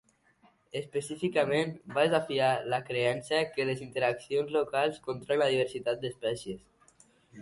Específicament, va desafiar la creença que les interaccions locals controlen la diversitat d’espècies.